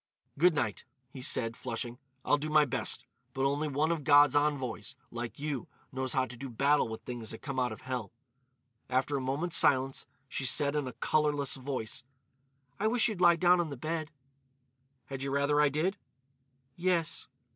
"Good night," he said, flushing; "I'll do my best. But only one of God's envoys, like you, knows how to do battle with things that come out of hell." After a moment's silence she said in a colourless voice: "I wish you'd lie down on the bed." "Had you rather I did?" "Yes."